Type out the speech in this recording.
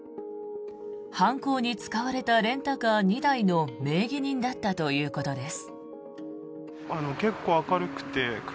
犯行に使われたレンタカー２台の名義人だったということです。